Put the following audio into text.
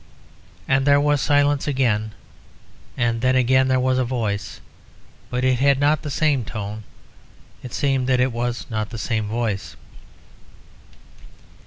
And there was silence again, and then again there was a voice, but it had not the same tone; it seemed that it was not the same voice.